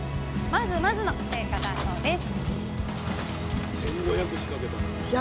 まずまずの成果だそうです